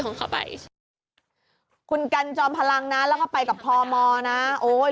ของเขาไปใช่คุณกันจอมพลังนะแล้วก็ไปกับพมนะโอ้ย